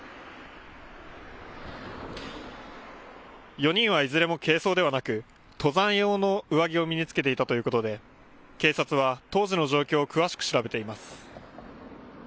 ４人はいずれも軽装ではなく登山用の上着を身に着けていたということで警察は当時の状況を詳しく調べています。